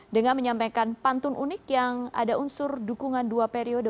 dengan menyampaikan pantun unik yang ada unsur dukungan dua periode